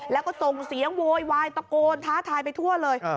แล้วก็ส่งเสียงโวยวายตะโกนท้าทายไปทั่วเลย